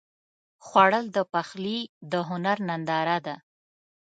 خوړل د پخلي د هنر ننداره ده